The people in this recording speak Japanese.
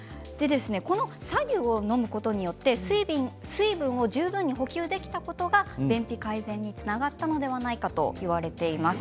白湯を飲むことによって水分を十分に補給できたことが便秘の改善につながったのではないかと言われています。